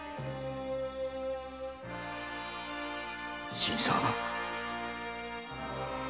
新さん。